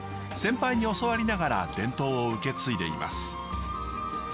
先輩に教わりながら伝統を受け継いでいます。